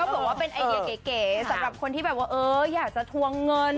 ก็เป็นไอเดียเก๋สำหรับคนที่อยากจะทวงเงิน